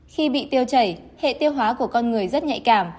khi bị tiêu chảy hệ tiêu hóa của con người rất nhạy cảm